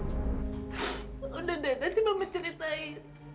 udah deh nanti mama ceritain